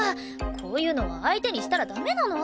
こういうのは相手にしたらダメなの。